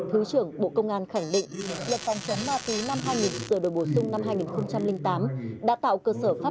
thứ trưởng bộ công an khẳng định